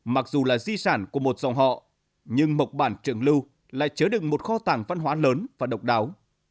mặc dù là di sản của một dòng họ nhưng mộc bản trường lưu lại chứa đựng một kho tàng văn hóa lớn và độc đáo